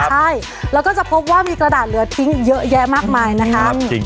ใช่แล้วก็จะพบว่ามีกระดาษเหลือทิ้งเยอะแยะมากมายนะคะ